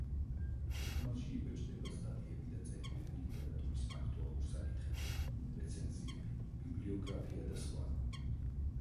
ჟურნალში იბეჭდება სტატიები და წერილები ლიტერატურის აქტუალურ საკითხებზე, რეცენზიები, ბიბლიოგრაფია და სხვა.